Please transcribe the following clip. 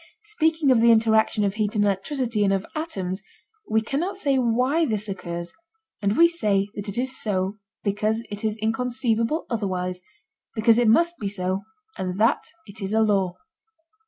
Speaking of the interaction of heat and electricity and of atoms, we cannot say why this occurs, and we say that it is so because it is inconceivable otherwise, because it must be so and that it is a law.